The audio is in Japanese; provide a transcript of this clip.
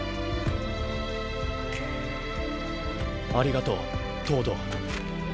ありがとう東堂。